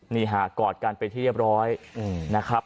นี่ฮะกอดกันไปที่เรียบร้อยนะครับ